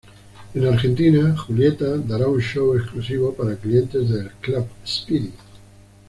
En Argentina, Julieta dará un show exclusivo para clientes de Club Speedy.